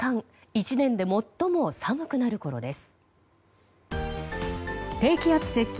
１年で最も寒くなるころです。